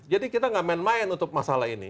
jadi kita tidak main main untuk masalah ini